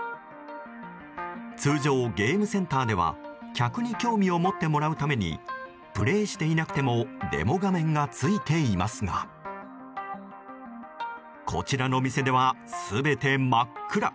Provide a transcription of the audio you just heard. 通常、ゲームセンターでは客に興味を持ってもらうためにプレーしていなくてもデモ画面がついていますがこちらの店では、全て真っ暗。